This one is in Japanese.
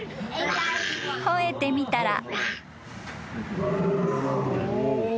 ［吠えてみたら］